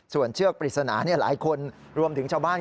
ส่วนเชือกปริศนาหลายคนรวมถึงชาวบ้าน